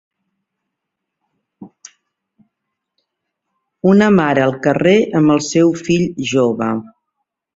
Una mare al carrer amb el seu fill jove